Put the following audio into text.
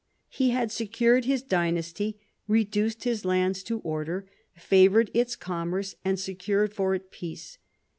He had secured his dynasty, reduced his lands to order, favoured its commerce, and secured for it peace.